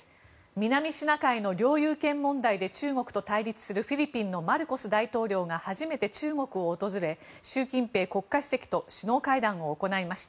南シナ海の領有権問題で中国と対立するフィリピンのマルコス大統領が初めて中国を訪れ習近平国家主席と首脳会談を行いました。